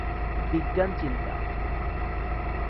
বিজ্ঞানচিন্তা